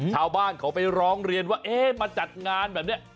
ชาวบ้านเขาไปร้องเรียนว่าเอ๊ะมาจัดงานแบบนี้